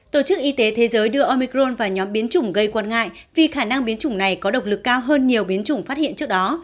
tổ chức y tế thế giới đưa omicron vào nhóm biến chủng gây quan ngại vì khả năng biến chủng này có độc lực cao hơn nhiều biến chủng phát hiện trước đó